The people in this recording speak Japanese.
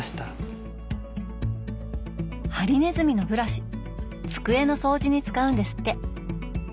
ハリネズミのブラシ机の掃除に使うんですって。